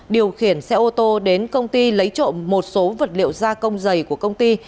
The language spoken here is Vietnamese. điều khiển xe ô tô đến công ty lấy trộm một số vật liệu gia công dày của công ty